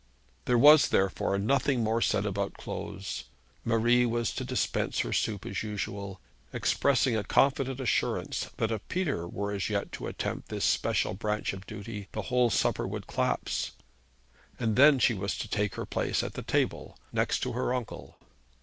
There was, therefore, nothing more said about clothes. Marie was to dispense her soup as usual, expressing a confident assurance that if Peter were as yet to attempt this special branch of duty, the whole supper would collapse, and then she was to take her place at the table, next to her uncle.